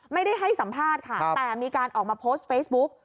ให้สัมภาษณ์ค่ะแต่มีการออกมาโพสต์เฟซบุ๊ก